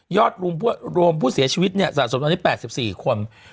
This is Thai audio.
รวมผู้เสียชีวิตเนี่ยสะสมวันนี้๘๔คน